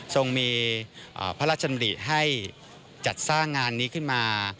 ทรงมีพระราชดำริให้จัดสร้างงานนี้ขึ้นมา